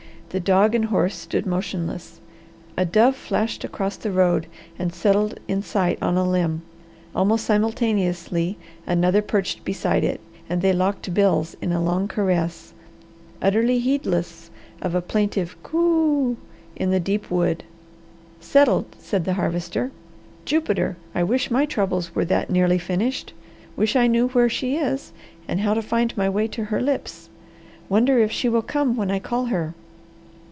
The dog and horse stood motionless. A dove flashed across the road and settled in sight on a limb. Almost simultaneously another perched beside it, and they locked bills in a long caress, utterly heedless of a plaintive "Coo" in the deep wood. "Settled!" said the Harvester. "Jupiter! I wish my troubles were that nearly finished! Wish I knew where she is and how to find my way to her lips! Wonder if she will come when I call her.